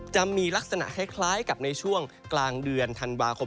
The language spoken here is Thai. จะมีลักษณะคล้ายกับในช่วงกลางเดือนธันวาคม